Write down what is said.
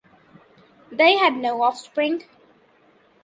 They had no offspring.